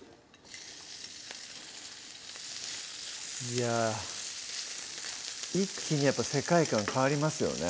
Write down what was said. いや一気に世界観変わりますよね